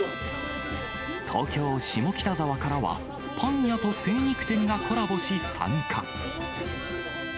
東京・下北沢からは、パン屋と精肉店がコラボし参加。